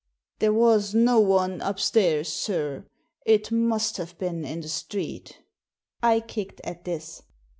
''There was no one upstairs, sir. It must have been in the street" I kicked at this.